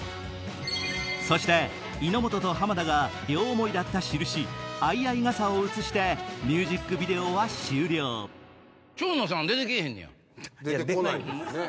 そして井本と浜田が両思いだった印相合い傘を写してミュージックビデオは終了出てこないですね。